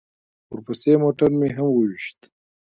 ورپسې موټر مې هم وويشت.